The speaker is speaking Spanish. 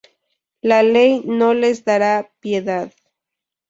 La ley no les dará piedad".